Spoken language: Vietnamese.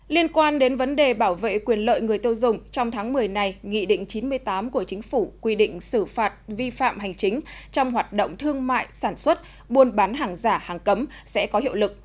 liên quan đến vấn đề bảo vệ quyền lợi người tiêu dùng trong tháng một mươi này nghị định chín mươi tám của chính phủ quy định xử phạt vi phạm hành chính trong hoạt động thương mại sản xuất buôn bán hàng giả hàng cấm sẽ có hiệu lực